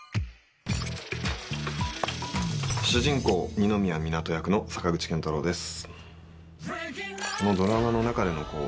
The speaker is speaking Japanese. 二宮湊人役の坂口健太郎です。